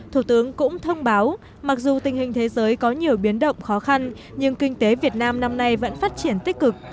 thủ tướng cũng thông báo mặc dù tình hình thế giới có nhiều biến động khó khăn nhưng kinh tế việt nam năm nay vẫn phát triển tích cực